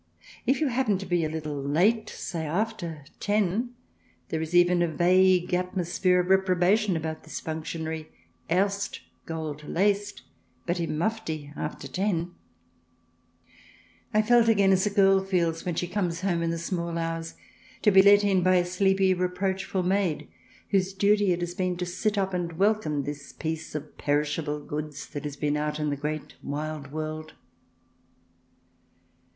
If you happen to be a little late, say after ten, there is even a vague atmosphere of reprobation about this functionary, erst gold laced, but in mufti after teni 96 THE DESIRABLE ALIEN [ch. vii I felt again as a girl feels, when she comes home in the small hours, to be let in by a sleepy, reproachful maid, whose duty it has been to sit up and welcome the piece of perishable goods that has been out in the great wild world.